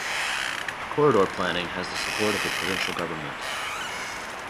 Corridor planning has the support of the provincial government.